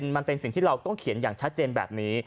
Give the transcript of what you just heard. มันเป็นสิ่งที่เราต้องเขียนอย่างชัดเจนแบบนี้